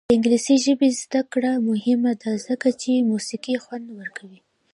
د انګلیسي ژبې زده کړه مهمه ده ځکه چې موسیقي خوند ورکوي.